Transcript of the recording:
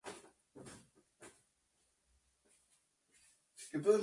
Su última portada estaba dedicada a las canciones de la Revolución Cultural china.